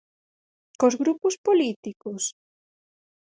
¿Cos grupos políticos?